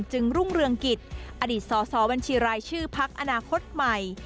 รุ่งเรืองกิจอดีตสสบัญชีรายชื่อพักอนาคตใหม่